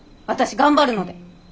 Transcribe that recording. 私頑張るので！